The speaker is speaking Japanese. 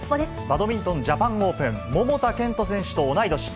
バドミントンジャパンオープン、桃田賢斗選手と同い年、